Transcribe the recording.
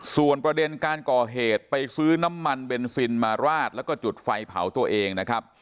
ส่วนประเด็นการก่อเหตุไปซื้อน้ำมันเบนซินมาราดแล้วก็จุดไฟเผาตัวเองนะครับ